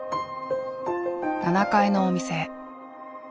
７階のお店へ。